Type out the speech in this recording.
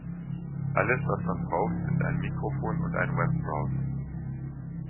Alles, was man braucht, sind ein Mikrofon und ein Webbrowser.